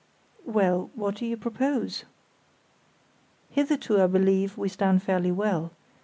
"Well, what do you propose?" "Hitherto I believe we stand fairly well.